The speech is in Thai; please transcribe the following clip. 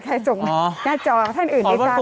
ใครส่งมาหน้าจอท่านอื่นในกราศด้วย